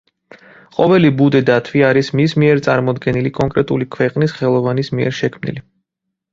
ყოველი ბუდი დათვი არის მის მიერ წარმოდგენილი კონკრეტული ქვეყნის ხელოვანის მიერ შექმნილი.